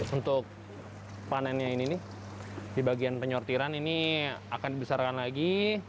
untuk panennya ini di bagian penyortiran ini akan dibesarkan lagi